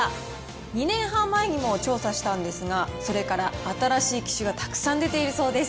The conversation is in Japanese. ２年半前にも調査したんですが、それから新しい機種がたくさん出ているそうです。